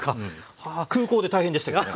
空港で大変でしたけどね。